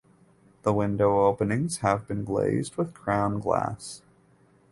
The window openings have been glazed with crown glass.